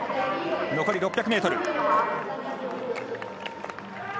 残り６００ｍ。